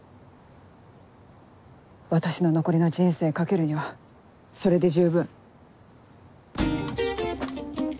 私の残りの人生懸けるにはそれで十分。